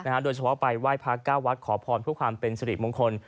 โดยเฉพาะไปไหว้พระเก้าวัดขอพรเพื่อความเป็นสิริมงคล